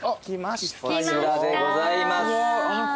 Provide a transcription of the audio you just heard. こちらでございます。